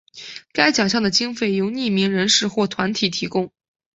该奖项的经费由匿名人士或团体提供。